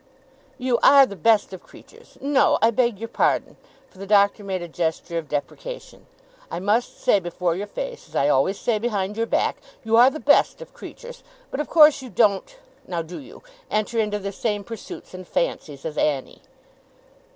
'You are the best of creatures no, I beg your pardon!' for the Doctor made a gesture of deprecation, 'I must say before your face, as I always say behind your back, you are the best of creatures; but of course you don't now do you? enter into the same pursuits and fancies as Annie?